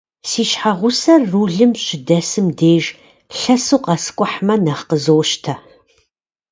Си щхьэгъусэр рулым щыдэсым деж, лъэсу къэскӏухьмэ нэхъ къызощтэ.